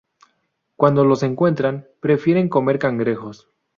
Cuando los encuentran, prefieren comer cangrejos.